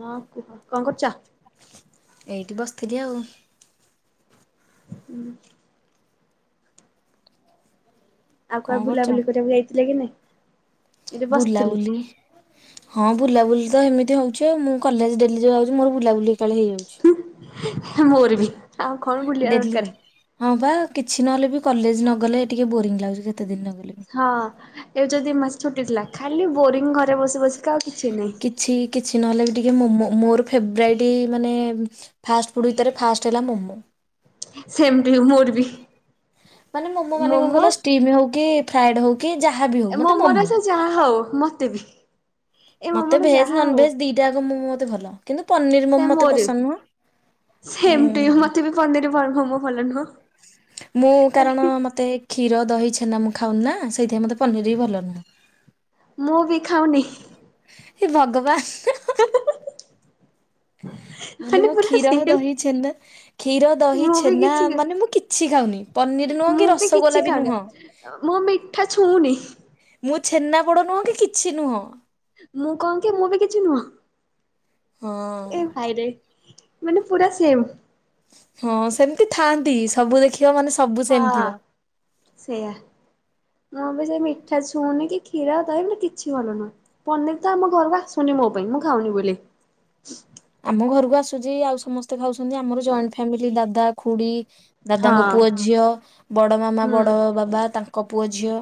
ହଁ, କୁହ କ'ଣ କରୁଛ? ଏଇଠି ବସିଥିଲି ଆଉ। ହୁଁ। ଆଉ କୁଆଡ଼େ କଣ ବୁଲାବୁଲି କରିବାକୁ ଯାଇଥିଲେ କି ନାଇଁ? ଏଇଠି ବୁଲା ବସିଥିଲି। ବୁଲି ହଁ, ବୁଲାବୁଲି ତ ଏମିତି ହଉଛି ଆଉ ମୁଁ କଲେଜ ଡେଲି ଜଉ ଯାଉଚି ମୋର ବୁଲାବୁଲି ଏକା ବେଳେ ହେଇଯାଉଛି। ମୋର ବି। ଆଉ କଣ ବୁଲିବା ଡେଲି ଦରକାର। ହଁ, ବା କିଛି ନହେଲେ ବି କଲେଜ ନଗଲେ ଟିକେ ବୋରିଂ ଲାଗୁଛି। କେତେ ଦିନ ନ ଗଲେ ବି। ହଁ, ଏବେ ଯୋଉ ଦି ମାସ ଛୁଟି ଥିଲା ଖାଲି ବୋରିଙ୍ଗ ଘ ରେ ବସି ବସିକା ଆଉ କିଛି ନାହିଁ। କିଛି କିଛି ନହେଲେ ବି ଟିକେ ମୋମୋ, ମୋର ଫେବେରାଇଟି ମାନେ ଫାର୍ଷ୍ଟ ଫୁଡ୍ ଭିତରେ ଫାଷ୍ଟ ହେଲା ମୋମୋ। ସେମତି ମୋର ବି ମାନେ ମୋମୋ ମାନେ କଣ କ ଷ୍ଟିମ ହଉ କି ଫ୍ରାଏଡ ହଉ କି ଯାହା ବି ହଉ ମତେ ମୋମୋ ରେ ସେ ଯାହା ହଉ ମତେ ବି ମତେ ମୋମୋରେ ଭେଜ ଯାହା ନନ୍ ହଉ ଭେଜ ଦିଟା ଯାକ ମୋମୋ ମତେ ଭଲ କିନ୍ତୁ ପନିର ମୋମୋ ମୋତେ ପସନ୍ଦ ନୁହଁ। ସେମ୍ ଟୁ ୟୁ ମୁଁ ମତେ ବି ପନିର୍ ଭଲ ମ ମୋ ମୁଁ କାରଣ ମତେ କ୍ଷୀର, ଦହି, ଛେନା ମୁଁ ଖାଉନି ନା। ସେଇଥିପାଇଁ ମତେ ପନିର ବି ଭଲ ନୁହେଁ। ମୁଁ ବି ଖାଉନି। ହେ ଭଗବାନ। ମାନେ ମୁଁ ପୁରା କ୍ଷୀର, ସେମ୍ ଦହି, ଛେନା, କ୍ଷୀର, ଦହି, ମୁଁ ବି ଛେନା କିଛି ମାନେ ମୁଁ କିଛି ଖାଉନି। ପନିର ନୁହଁ ମୁଁ କି ବି ରସଗୋଲା କିଛି ଖାଉନି ନୁହଁ। ମୁଁ ମିଠା ଛୁଉଁନି। ମୁଁ ଛେନା ପୋଡ଼ ନୁହଁ କି କିଛି ନୁହଁ ମୁଁ କଣ କି ମୁଁ ବି କିଛି ହଁ। ନୁହଁ ଏ ଭାଇରେ ମାନେ ପୁରା ସେମ। ହଁ ସେମିତି ଥାଆନ୍ତି ସବୁ ଦେଖି ଯୋଉ ମାନେ ସବୁ ସେମ ହଁ। ଥିବ। ସେଇଆ ମୁଁ ବି ସେ ମିଠା ଛୁଉନି କି କ୍ଷୀର ଦହି କିଛି ଭଲ ନୁହଁ ପନିର ତ ଆମ ଘରକୁ ଆସୁନି। ମୋ ପାଇଁ ମୁଁ ଖାଉନି ବୋଲି। ଆମ ଘରକୁ ଆସୁଛି ଆଉ ସମସ୍ତେ ଖାଉଛନ୍ତି ଆମର ଜଏଣ୍ଟ ଫ୍ୟାମିଲି ଦାଦା ଖୁଡି ହଁ ଦାଦାଙ୍କ ପୁଅ ଝିଅ ବଡ ମାମା ହୁଁ ବଡ ବାବା ତାଙ୍କ ପୁଅ ଝିଅ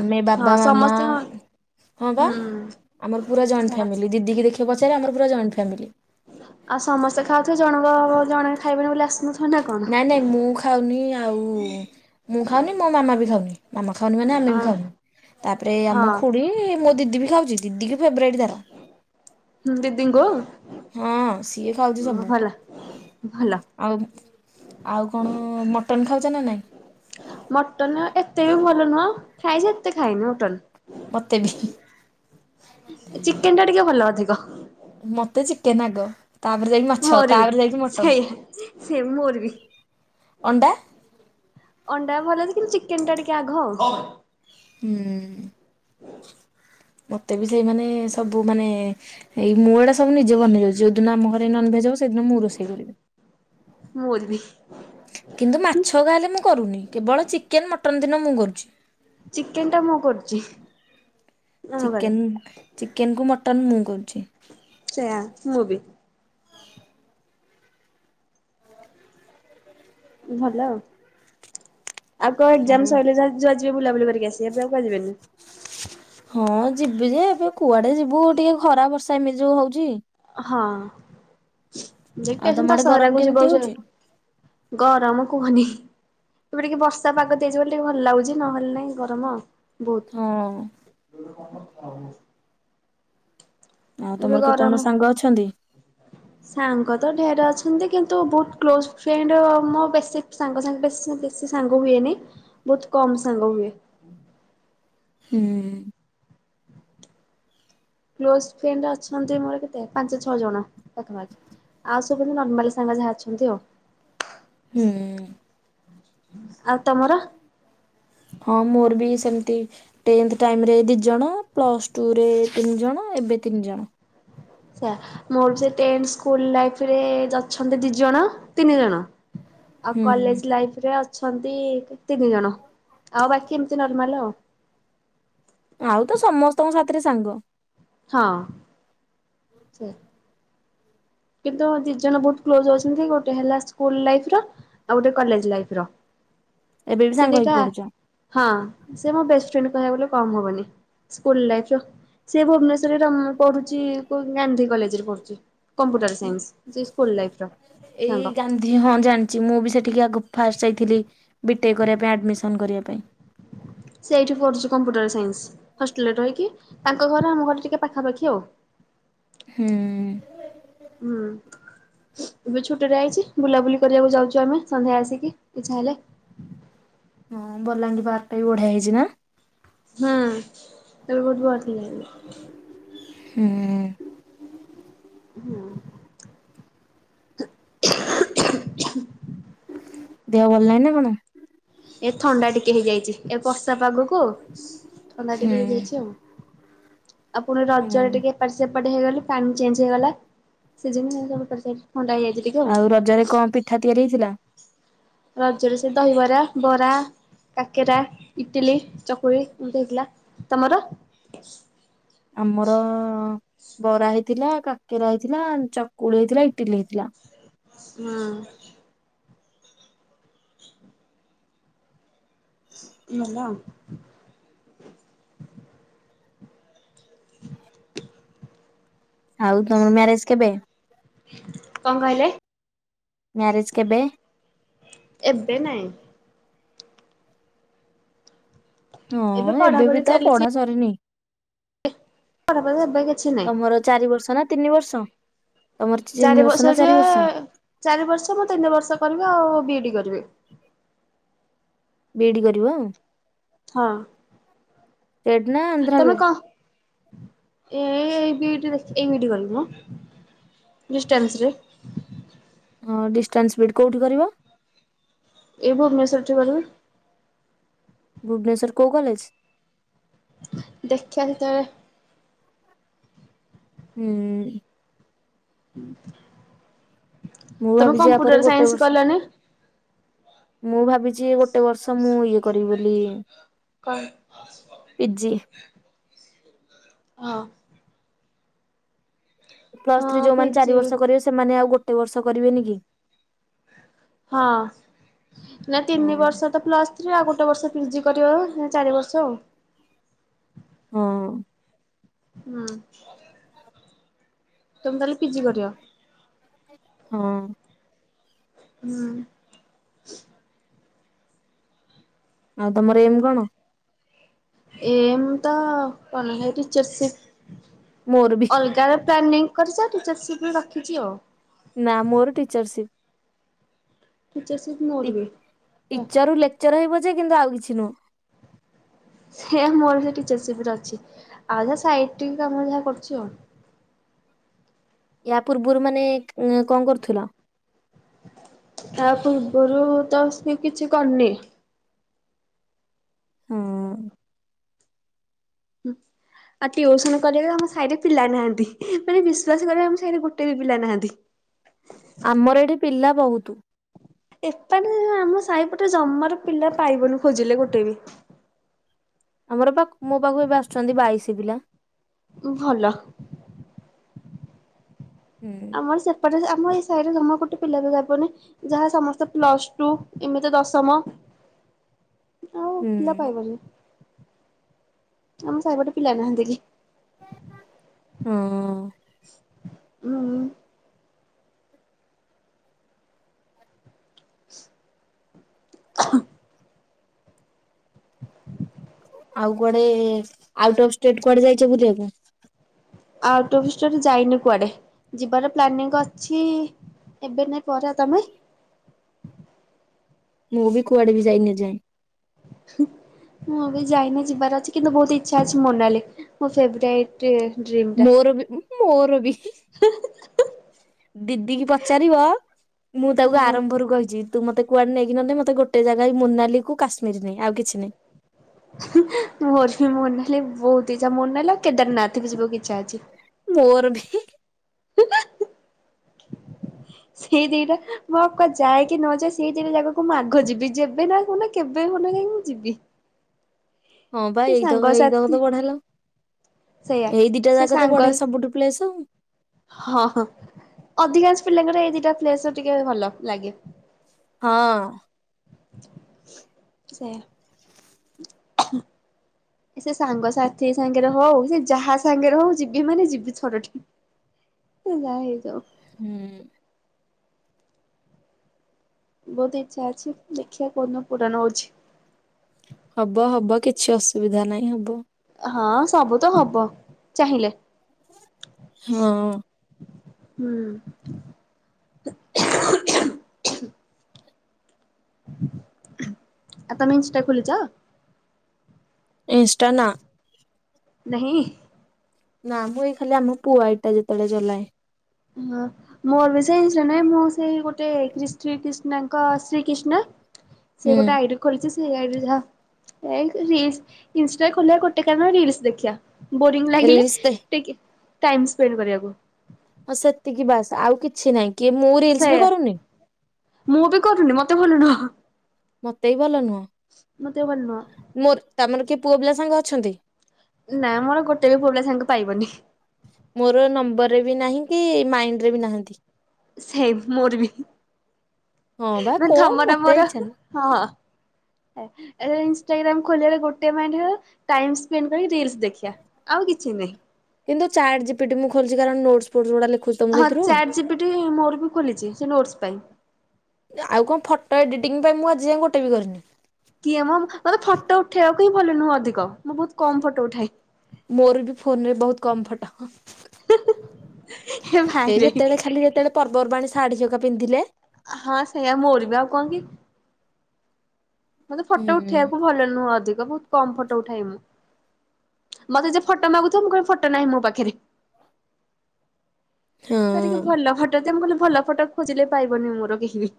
ଆମେ ବା ହଁ ବାବା ସମସ୍ତେ ମାମା ହଁ ବା ହୁଁ। ଆମର ପୁରା ଜଏଣ୍ଟ ସେୟା। ଫ୍ୟାମିଲି ଦିଦି ଦେଖିବା ପଚାରେ ଆମର ପୁରା ଜଏଣ୍ଟ ଫ୍ୟାମିଲି। ଆଉ ସମସ୍ତେ ଖାଉଥିବେ ଜଣଙ୍କ ଜଣ ଖାଇବେନି ବୋଲି ଆସେ ନାଇଁ ନାଇଁ ମୁଁ ଖାଉନି ଆଉ ମୁଁ ଖାଉନି ମୋ ମାମା ବି ଖାଉନି ମାମା। ଖାଉନି ମାନେ ଆମେ ବି ହଁ। ଖାଉନୁ ତାପରେ ଆମ ହଁ ଖୁଡି ମୋ ଦିଦି ବି ଖାଉଛି ଦିଦି କି ଫେବରାଇଟ ତାର ଦିଦିଙ୍କୁ ହଁ ସିଏ ଖାଉଛି ସବୁ। ଭଲ ଭଲ। ଆଉ ଆଉ କଣ ମଟନ ଖାଉଛ ନା ନାଇଁ? ମଟନ ଏତେ ବି ଭଲ ନୁହଁ ଖାଏଯେ ଏତେ ଖାଇନି ମଟନ। ମତେ ବି। ଚିକେନ ଟା ଟିକେ ଭଲ ଅଧିକ। ମତେ ଚିକେନ ଆଗ ତାପରେ ଯାଇକି ମାଛ ମୋର ବି ତାପରେ ଯାଇକି ମଟନ। ସେଇଆ ସେ ମୋର ବି ଅଣ୍ଡା ଅଣ୍ଡା ଭଲ ଅଛି କିନ୍ତୁ ଚିକେନ ଟା ଟିକେ ଆଘ ଆଉ ହୁଁ। ମତେ ବି ସେଇମାନେ ସବୁ ମାନେ ଏଇ ମୁଁ ଏଡା ସବୁ ନିଜେ ବନେଇ ଦଉଛି ଯୋଉଦିନ ଆମ ଘରେ ନନଭେଜ ହବ ସେଦିନ ମୁଁ ରୋଷେଇ କରିବି। ମୋର ବି। କିନ୍ତୁ ମାଛ ହେକା ହେଲେ ମୁଁ କରୁନି କେବଳ ଚିକେନ ମଟନ ଦିନ ମୁଁ କରୁଛି। ଚିକେନ ଟା ମୁଁ କରୁଛି। ଆମ ଘରେ ଚିକେନ ଚିକେନ କୁ ମଟନ ମୁଁ କରୁଛି। ସେୟା ମୁଁ ବି। ଭଲ ଆଉ। ଆଉ କୋ ଏକଜାମ ସରିଲେ ଯୁଆ ଯିବେ ବୁଲାବୁଲି କରିକି ଆସିବା ଏବେ ଆଉ କୁଆଡେ ଯିବେନି। ହଁ ଯିବି ଯେ ଏବେ କୁଆଡେ ଯିବୁ ଟିକେ ଖରା ବର୍ଷା ଏମିତି ଯୋଉ ହଉଛି। ହଁ। ଯେ ଆଉ କେ ତମ ସନ୍ତ ଆଡେ ଗରମ ଦଶହରାକୁ କେମିତି ଯିବାକୁ କୁ ହଉଛି? ଗରମ କୁହନି। ଏବେ ଟିକେ ବର୍ଷା ପାଗ ଦେଇଛି ବୋଲି ଟିକେ ଭଲ ଲାଗୁଛି ନହେଲେ ନାହିଁ ଗରମ। ହଁ ବହୁତ ଆଉ ଏବେ ତମର କେତେ ଜଣ ଗରମ ସାଙ୍ଗ ଅଛନ୍ତି? ସାଙ୍ଗ ତ ଢେରେ ଅଛନ୍ତି କିନ୍ତୁ ବହୁତ କ୍ଲୋଜ୍ ଫ୍ରେଣ୍ଡ ମୋ ବେଶୀ ସାଙ୍ଗ ସାଙ୍ଗେ ବେଶୀ ବେଶୀ ସାଙ୍ଗ ହୁଏନି। ବୋହୁତ କମ ସାଙ୍ଗ ହୁଏ। ହୁଁ। କ୍ଲୋଜ ଫ୍ରେଣ୍ଡ ଅଛନ୍ତି ମୋର କେତେ ପାଞ୍ଚ ଛଅ ଜଣ ପାଖାପାଖି। ଆଉ ସବୁ ନର୍ମାଲି ସାଙ୍ଗ ଯାହା ଅଛନ୍ତି ଆଉ। ହୁଁ। ଆଉ ତମର? ହଁ ମୋର ବି ସେମିତି ଟେଥେ ଟାଇମି ରେ ଦି ଜଣ ପ୍ଲସ ଟୁରେ ତିନି ଜଣ। ଏବେ ତିନି ଜଣ। ମୋର ଟେନ୍ସ ସ୍କୁଲ ଲାଇଫ ରେ ଅଛନ୍ତି ଦି ଜଣ ତିନି ଜଣ। ଆଉ ହୁଁ କଲେଜ ଲାଇଫରେ ଅଛନ୍ତି ତିନି ଜଣ, ଆଉ ବାକି ଏମିତି ନର୍ମାଲ ଆଉ। ଆଉ ତ ସମସ୍ତଙ୍କ ସାଙ୍ଗ ହଁ। କିନ୍ତୁ ଦି ଜଣ ବୋହୁତ କ୍ଲୋଜ ଅଛନ୍ତି ଗୋଟେ ହେଲା ସ୍କୁଲ ଲାଇଫ ର ଆଉ ଗୋଟେ କଲେଜ ଲାଇଫ ର। ଏବେ ବି ସେ ସାଙ୍ଗ ହେଇକି ଦିଟା ପଢୁଛ। ହଁ ସେ ମୋ ବେଷ୍ଟ୍ ଫ୍ରେଣ୍ଡ କହିବାକୁ ଗଲେ କମ୍ ହବନି ସ୍କୁଲ ଲାଇଫ ର ସେ ଭୁବନେଶ୍ୱର [unintelligible] ପଢୁଚି ଗାନ୍ଧୀ କଲେଜରେ ପଢୁଚି। ଏଇ ସାଙ୍ଗ ଗାନ୍ଧୀ ହଁ ଜାଣିଚି ମୁଁ ବି ସେ ଟିକେ ଆଗ ଫାଷ୍ଟ ଯାଇଥିଲି ବିଟେକ୍ କରିବା ପାଇଁ ଆଡ଼ମିସନ୍ କରିବା ପାଇଁ। ସେ ଏଇଠି କରୁଚି କମ୍ପ୍ୟୁଟର ସାଇନ୍ସ ହଷ୍ଟେଲ ରେ ରହିକି ତାଙ୍କ ଘର ଆମ ଘର ଟିକେ ପାଖାପାଖି ଆଉ। ହୁଁ। ହୁଁ ଏବେ ଛୁଟିରେ ଆଇଚି ବୁଲାବୁଲି କରିବାକୁ ଯାଉଚୁ ଆମେ ସନ୍ଧ୍ୟା ଆସିକି ଇଛା ହେଲେ ହଁ ବଲାଙ୍ଗୀ ପାର୍କ ଟା ବି ବଢିଆ ହେଇଚି ନା? ହୁଁ [unintelligible] ହୁଁ। ହଁ ଦେହ ଭଲ ନାହିଁ ନା କଣ? ଏ ଥଣ୍ଡା ଟିକେ ହେଇଯାଇଚି ଏ ବର୍ଷା ପାଗକୁ ଥଣ୍ଡା ହୁଁ ଟିକେ ହେଇଯାଇଚି ଆଉ। ଆପଣ ହୁଁ ରଜରେ ଟିକେ ଏପଟ ସେପଟ ହେଇଗଲେ ପାଣି ଚେଞ୍ଜ ହେଇଗଲା ସିଜନ୍ ଚେଞ୍ଜ [unintelligible] ଥଣ୍ଡା ହେଇଯାଇଚି ଟିକେ ଆଉ। ରଜରେ କଣ ପିଠା ତିଆରି ହେଇଥିଲା? ରଜରେ ସେ ଦହିବରା ବରା। କାକେରା ଇଟିଲି ଚକୁଳି ଏମିତି ହେଇଥିଲା, ତମର? ଆମର ବରା ହେଇଥିଲା କାକେରା ହେଇଥିଲା ଚକୁଳି ହେଇଥିଲା ଇଟିଲି ହେଇଥିଲା। ହଁ। [unintelligible] [inaudible] ଆଉ ତମ ମ୍ୟାରେଜ କେବେ? କଣ କହିଲେ? ମ୍ୟାରେଜ କେବେ? ଏବେ ନାହିଁ। ହଁ ଏବେ ପଢାପଢି ବି ତା ଚାଲିଛି ପଢା ସରିନି। ପଢାପଢି ଏବେ କିଛି ନାହିଁ। ତମର ଚାରି ବର୍ଷ ନା ତିନି ବର୍ଷ? ତମର ଚାରି ତିନି ନା ବର୍ଷ ଯେ ଚାରି ଚାରି ବର୍ଷ ମୁଁ ତିନି ବର୍ଷ କରିବି, ଆଉ ବିଇଡି କରି [unintelligible] ବି ଇ ଡି କରିବ? ହଁ। ଷ୍ଟେଟ୍ ନା ଆନ୍ଧ୍ରା ବି ତମେ ଇ ଡି? କଣ ଏ ଏଇ ବି ଇ ଡି ଦେଖି ଏଇ ବି ଇ ଡି କରିବି ମ। ଡିଷ୍ଟାନ୍ସ ରେ ଡିଷ୍ଟାନ୍ସ ବିଇଡି କୋଉଠି କରିବ? ଏ ଭୁବନେଶ୍ୱର ଠୁ ବୋଧେ। ଭୁବନେଶ୍ୱର କୋଉ କଲେଜ? ଦେଖିବା ସେତେବେଳେ ହୁଁ। ଉଁ ହୁଁ। ମୁଁ ଭାବିଛି ଆ ପରେ ଗୋଟେ ବର୍ଷ ମୁଁ ଭାବିଛି। ଯିଏ ଗୋଟେ ବର୍ଷ ମୁଁ ଇଏ କରିବି ବୋଲି କଣ? ପିଜି। ହଁ। ପ୍ଲସ ଥ୍ରୀ ହଁ ଯୋଉମାନେ ଚାରି ପିଜି ବର୍ଷ କରିବେ ସେମାନେ ଆଉ ଗୋଟେ ବର୍ଷ କରିବେନି କି। ହଁ ନା ହଁ ତିନି ବର୍ଷ ତ ପ୍ଲସ ଥ୍ରୀ ଆଉ ଗୋଟେ ବର୍ଷ ପିଜି କରିବ। ନା ଚାରି ବର୍ଷ ଆଉ। ହଁ। ହୁଁ। ତୁମେ ତାହେଲେ ପିଜି କରିବ। ହଁ। ହୁଁ। ଆଉ ତମର ଏମ୍ କଣ? ଏମ୍ ତ ପନହି ଟିଚର୍ ସିପ୍। ମୋରବି। ପ୍ଳାନିଙ୍ଗ କରିଛ ଟିଚର ସିପ୍ ରେ ରଖିଛି ଆଉ। ନା ମୋର ଟିଚରସିପ୍। ଟିଚରସିପ୍ ଟି ମୋର ବି ଟିଚର ରୁ ଲେକ୍ଚର ହେବି ପଛେ କିନ୍ତୁ ଆଉ କିଛି ନୁହଁ। ସେ ମୋର ବି ସେଇ ଟିଚରସିପ୍ ଅଛି ଆଉ ଯାହା ସାଇଟ କାମ ଯାହା କରୁଛି ଆଉ। ୟା ପୂର୍ବରୁ ମାନେ କଣ କରୁଥିଲ? ତା ପୂର୍ବରୁ ତ ଆସି କିଛି କରିନି। ହଁ। ହୁଁ। ଆଉ ଟିଉସନ କରିବା ଆମ ସାହିରେ ପିଲା ନାହାନ୍ତି ମାନେ ବିଶ୍ଵାସ କରିବ ଆମ ସାହିରେ ଗୋଟେ ବି ପିଲା ନାହାନ୍ତି। ହଁ। ଆମର ଏଠି ପିଲା ବହୁତ। ଏପଟେ ଆମ ସାହିପଟେ ଜମାରୁ ପିଲା ପାଇବନି ଖୋଜିଲେ ଗୋଟେ ବି। ଆମର ପାଖ ମୋ ପାଖକୁ ଏବେ ଆସୁଛନ୍ତି ବାଇଶି ପିଲା। ଭଲ। ହୁଁ ଆମର ସେପଟେ ଆମ ଏଇ ସାଇରେ ତମ ଗୋଟେ ପିଲା ବି ଯାବନି ଯାହା ସମସ୍ତେ ପ୍ଲସ ଟୁ ଏମିତି ଦଶମ। ଆଉ ପିଲା ହଁ। ପାଇବନି। ଆମ ସାଇରେ ପଟେ ପିଲା ନାହାନ୍ତି କେହି। ଉଁ ଉଁ। ଙ୍ଖ। ଆଉ କୁଆଡେ ଆଉଟ୍ଅଫ୍ ଷ୍ଟେଟ କୁଆଡେ ଯାଇଛ ବୁଲିବାକୁ। ଆଉଟ୍ ଅଫ ଷ୍ଟେଟ ଯାଇନି କୁଆଡେ ଯିବାର ପ୍ଲାନିଂ ଅଛି। ଏବେ ନାଇଁ ପରେ ଆଉ ତମେ। ମୁଁ ବି କୁଆଡେ ବି ଯାଇନି ଏଯାଏ। ସୁହୁଁ। ମୁଁ ଏ ବି ଯାଇନି ଯିବାର ଅଛି କିନ୍ତୁ ବହୁତ ଇଛା ଅଛି ମୋନାଲି ମୋର ଫେବରାଇଟ୍। ଡ୍ରିମ୍ ଟା ମୋର ବି ମୋର ବି ହୁଁ ହୁଁ ହୁଁ। ଦିଦି କି ପଚାରିବ ମୁଁ ତାକୁ ହଁ ଆରମ୍ଭରୁ କହିଛି। ତୁ ମତେ କୁଆଡେ ନେକି ନନେ ମତେ ଗୋଟେ ଜାଗାଏ ମୋନାଲି କୁ କାଶ୍ମୀର ନେ ଆଉ କିଛି ନାଇଁ। ହୁଁ ମୋର ବି ମୋନାଲି ବହୁତ ଇଛା ମୋନାଲି ଆଉ କେଦାରନାଥ କୁ ଯିବକୁ ଇଚ୍ଛା ଅଛି। ମୋର ଭି। ସେଇ ଦିଟା। ମୁଁ ଆଉ କୁଆଡେ ଯାଏ କି ନଯାଏ ସେଇ ଦିଟା ଜାଗାକୁ ମୁଁ ଆଗ ଯିବି। ଯେବେ ନା ହୁନା କେବେ ହୁନ ମାନେ ମୁଁ ଯିବି। ହଁ ପା ସେ ଏଇତକ ଏଇତକ ସାଙ୍ଗସାଥି ତ ବଢ଼ିଆ ଲା ସେଇଆ ଏଇ ଦିଟା ସେ ଜାଗା ତ ସାଙ୍ଗ ବଢିଆ ସବୁଠୁ ପ୍ଲେସ ଆଉ। ହଁ ହ ଅଧିକାଂଶ ପିଲାଙ୍କର ଏଇ ଦିଟା ପ୍ଲେସ ଟିକେ ଭଲ ଲାଗେ। ହଁ। ସେୟା। ସେ ସାଙ୍ଗସାଥି ସାଙ୍ଗରେ ହଉ, ସେ ଯାହା ସାଙ୍ଗେରେ ହଉ, ଯିବି ମାନେ ଯିବି ଥରଟେ। ସେ ଯାହା ହେଇଥାଉ। ହୁଁ। ବହୁତ ଇଚ୍ଛା ଅଛି ଦେଖିବା କୋଉ ଦିନ ପୂରଣ ହେଉଛି। ହବ ହବ କିଛି ଅସୁବିଧା ନାହିଁ ହବ। ହଁ ସବୁ ତ ହବ ଚାହିଁଲେ। ହଁ। ହୁଁ। ଆ ତମେ ଇନଷ୍ଟା ଖୋଲିଚ? ଇନଷ୍ଟା ନା। ନାହି। ନା ମୁଁ ଏଇ ଖାଲି ଆମ ପୁ ଆଇଡି ଟା କେତବେଳେ ଚଲାଏ। ହଁ ମୋର ବି ସେଇ ଜଣେ ମୁଁ ସେଇ ଗୋଟେ କ୍ରିଷ୍ଟି କ୍ରିଷ୍ଣାଙ୍କ ଶ୍ରୀକିଷ୍ଣ ସେ ହୁଁ ଗୋଟେ ଆଇଡି ଖୋଲିଛି। ସିଆଡେ ଯା। ଏଇକ୍ ରିସ୍ ଇଷ୍ଟା ଖୋଲିବା ଗୋଟେ କାରଣ ରିଲ୍ ସି ଦେଖିବା। ବୋରିଂ ଲାଗିଲେ ରିଲସ ଦେ ଟିକ୍ ଟାଇମ୍ ସ୍ପେଣ୍ଡ କରିବାକୁ। ଏତିକି ବାସ୍ ଆଉ କିଛି ନାଇଁ। ସେୟା ମୁଁ ବି କରୁନି ମତେ ଭଲନୁହ। ମତେ ବି ଭଲ ନୁହଁ। ମୋ ଦେହ ଭଲ ନୁହଁ। ମୋର, ତମର କିଏ ପୁଅ ପିଲା ସାଙ୍ଗ ଅଛନ୍ତି? ନା ମୋର ଗୋଟେ ବି ପୁଅ ପିଲା ସାଙ୍ଗ ପାଇବନି। ମୋର ନମ୍ବରରେ ବି ନାହିଁ କି ମାଇଣ୍ଡ ରେ ବି ନାହାନ୍ତି। ସେମ ମୋର ବି। ହଁ ବା ମାନେ କଣ ତମର ମତେ ମୋର ଇଚ୍ଛା ନାହିଁ ହଁ। [inaudible] ଇନ୍‌ଷ୍ଟା ଗ୍ରାମ ଖୋଲିବାର ଗୋଟେ ମାଇଣ୍ଡ ହେରା, ଟାଇମ୍ ସ୍ପେଣ୍ଡ କରି ରିଲ୍ସ ଆଉ କି କି ନାହିଁ। କିନ୍ତୁ ଚାଟ ଜିପି ଟି ମୁ ଖୋଲିଛି କାରଣ ନୋଟ୍ସ ଫୋଷ୍ଟ ଗୁଡ଼ା ହଁ ଚାଟ ଜିପି ଟି ମୋର ବି ଖୋଲିଛି ସେ ନୋଟ୍ସ ପାଇଁ। ଆଉ କଣ ଫଟୋ ଏଡିଟିଂ ପାଇଁ ମୁଁ ଆଜି ଯାଏ ଗୋଟେ ବି କରିନି। କିଏ ମୋ ମତେ ଫଟୋ ଉଠେଇବାକୁ ହିଁ ଭଲ ନୁହଁ ଅଧିକ। ମୁଁ ବହୁତ କମ ଫଟୋ ଉଠାଏ। ମୋର ବି ଫୋନରେ ବହୁତ କମ୍ ଫଟ। ହେ ସେଇ ଭାଇରେ ଯେତେବେଳେ ଖାଲି ଯେତେବେଳେ ପର୍ବପର୍ବାଣୀ ଶାଢୀ ଜକା ପିନ୍ଧିଲେ। ହଁ ସେଇୟା ମୋରବି ଆଉ କଣ କି। ମତେ ହୁଁ ଫଟୋ ଉଠେଇବାକୁ ଭଲ ନୁହଁ ଅଧିକ ବହୁତ କମ ଫଟୋ ଉଠାଏ ମୁଁ। ମତେ ଯେ ଫଟୋ ମାଗୁ ଥିବ ମୁଁ କହେ ଫଟୋ ନାହିଁ ମୋ ପାଖରେ। ଯେତିକି ହଁ ଭଲ ଫଟୋ ଦେ, ମୁଁ କହିଲି ଭଲ ଫଟୋ ଖୋଜିଲେ ପାଇବନି ମୋର କେହି।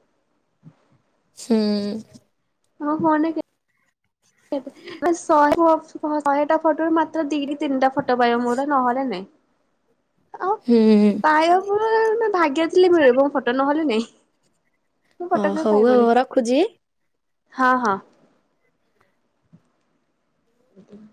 ହୁଁ। ମୋ ଫନ ରେ କେ ଶହେ- ଶହେଟା ଫୋଟୋରୁ ମାତ୍ର ଦିଟି ତିନିଟା ଫ ଟ ବାୟୁ ମଡ ନହଲେ ନାଇଁ। ଆଉ ହୁଁ ପାୟ ପୁରା ଆ ନେ ଭାଗେ ଥିଲେ ମିଳିବ। ଫଟ ନହଲେ ନାଇଁ। ମୋ ଫଟ ହଁ କିଏ ହଉ ପାଇବନି। ଆଉ ରଖୁଛି। ହଁ ହଁ। ମିଟିଂ।